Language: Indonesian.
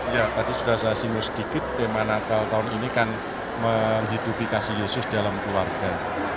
ya tadi sudah saya singgung sedikit tema natal tahun ini kan menghidupi kasih yesus dalam keluarga